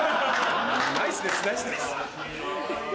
ナイスですナイスです。